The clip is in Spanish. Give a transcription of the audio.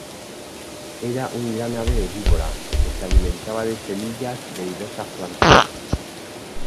Era un gran ave herbívora, que se alimentaba de semillas de diversas plantas.